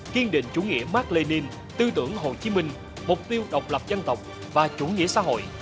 kiên định chủ nghĩa mark lenin tư tưởng hồ chí minh mục tiêu độc lập dân tộc và chủ nghĩa xã hội